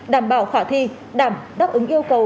đảm bảo khỏa thi đảm đáp ứng yêu cầu